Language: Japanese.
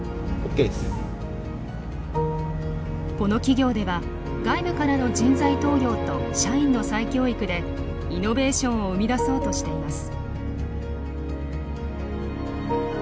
この企業では外部からの人材登用と社員の再教育でイノベーションを生み出そうとしています。